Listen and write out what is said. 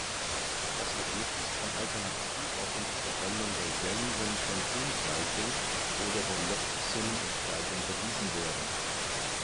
Das Ergebnis kann alternativ auch unter Verwendung der Jensenschen Ungleichung oder der Log-Summenungleichung bewiesen werden.